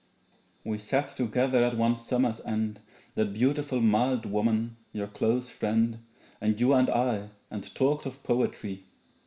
We sat together at one summer's end That beautiful mild woman your close friend And you and I, and talked of poetry.